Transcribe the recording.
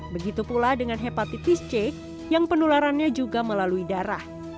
begitu pula dengan hepatitis c yang penularannya juga melalui darah